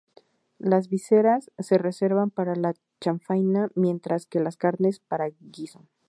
Las vísceras se reservan para la chanfaina, mientras que las carnes para guiso.